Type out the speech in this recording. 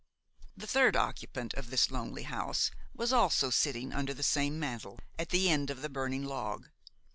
The third occupant of this lonely house was also sitting under the same mantel, at the other end of the burning log.